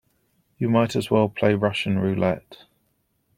You might as well play Russian roulette.